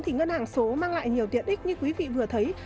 thì ngân hàng số mang lại nhiều tiện ích như quý vị vừa thấy